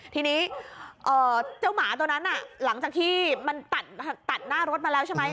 ทีนี้เจ้าหมาตัวนั้นหลังจากที่มันตัดหน้ารถมาแล้วใช่ไหม